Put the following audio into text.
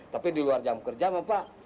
tapi di luar jam kerja bapak